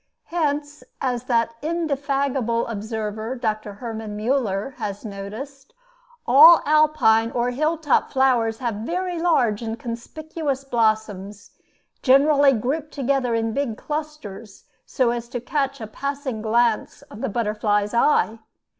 Hence, as that indefatigable observer, Dr. Hermann Müller, has noticed, all Alpine or hill top flowers have very large and conspicuous blossoms, generally grouped together in big clusters so as to catch a passing glance of the butterfly's eye.